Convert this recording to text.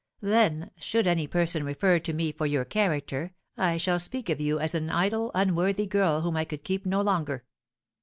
Then, should any person refer to me for your character, I shall speak of you as an idle, unworthy girl whom I could keep no longer.'